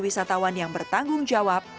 wisatawan yang bertanggung jawab